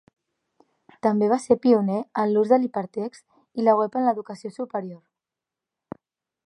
També va ser pioner en l'ús de l'hipertext i la web en l'educació superior.